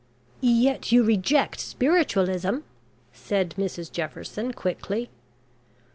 "Yet you reject spiritualism," said Mrs Jefferson quickly.